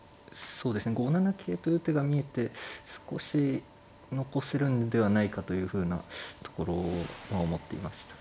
５七桂という手が見えて少し残せるんではないかというふうなところは思っていました。